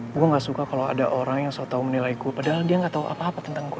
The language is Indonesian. gue gak suka kalo ada orang yang selalu menilai gue padahal dia gak tau apa apa tentang gue